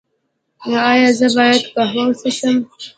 ایا زه باید قهوه وڅښم؟